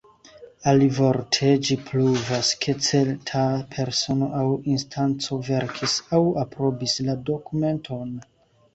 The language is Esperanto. Alivorte ĝi pruvas, ke certa persono aŭ instanco verkis aŭ aprobis la dokumenton.